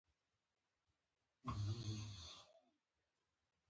په نجوم او جغرافیه کې پرمختګ وشو.